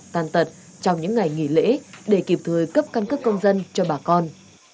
tàn tật trong những ngày nghỉ lễ để kịp thời cấp căn cước công dân cho bà con